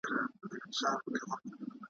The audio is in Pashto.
بس تر مرګه به مو هلته یارانه وي ,